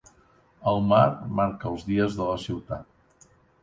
El mar marca els dies de la ciutat.